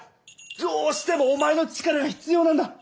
どうしてもお前の力が必要なんだ！